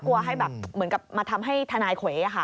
กลัวให้แบบเหมือนกับมาทำให้ธนายเขว่าค่ะ